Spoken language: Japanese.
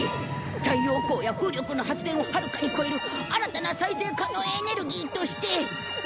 太陽光や風力の発電をはるかに超える新たな再生可能エネルギーとして。